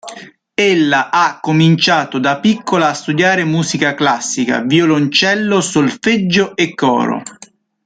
Ella ha cominciato da piccola a studiare musica classica, violoncello, solfeggio e coro.